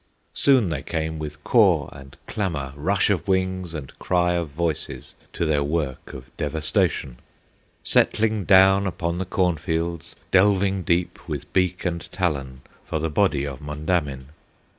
Soon they came with caw and clamor, Rush of wings and cry of voices, To their work of devastation, Settling down upon the cornfields, Delving deep with beak and talon, For the body of Mondamin.